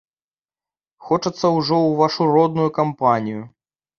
Хочацца ўжо ў вашу родную кампанію.